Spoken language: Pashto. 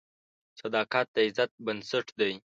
صداقت د عزت بنسټ دی.